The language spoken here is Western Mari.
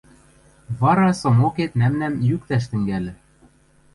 Вара Сомокет мӓмнӓм йӱктӓш тӹнгӓльӹ.